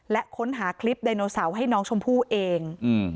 และค้นหาคลิปไดโนเสาร์ให้น้องชมพู่เอง